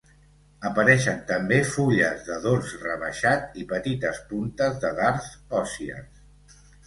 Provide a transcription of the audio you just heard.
Apareixen també fulles de dors rebaixat i petites puntes de dards òssies.